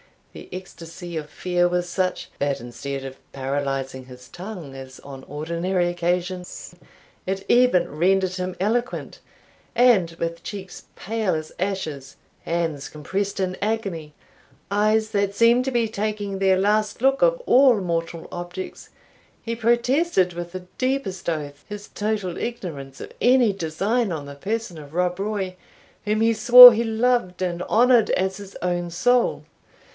The ecstasy of fear was such, that instead of paralysing his tongue, as on ordinary occasions, it even rendered him eloquent; and, with cheeks pale as ashes, hands compressed in agony, eyes that seemed to be taking their last look of all mortal objects, he protested, with the deepest oaths, his total ignorance of any design on the person of Rob Roy, whom he swore he loved and honoured as his own soul.